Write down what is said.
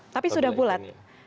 tapi sudah pulat